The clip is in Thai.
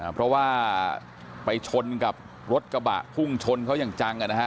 เพราะว่าไปชนกับรถกระบะพุ่งชนเขาอย่างจัง